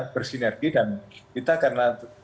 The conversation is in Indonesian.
bersinergi dan kita karena